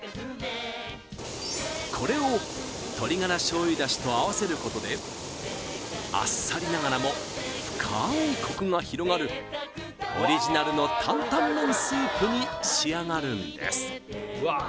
これを鶏ガラ醤油出汁と合わせることであっさりながらも深いコクが広がるオリジナルの坦々麺スープに仕上がるんです